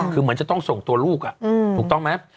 คือเหมือนจะต้องส่งตัวลูกถูกต้องไหม